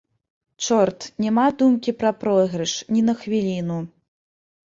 Чорт, няма думкі пра пройгрыш, ні на хвіліну.